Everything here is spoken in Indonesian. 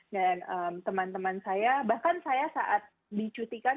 dan teman teman saya bahkan saya saat dicutikan